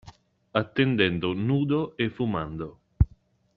Attendendo nudo e fumando.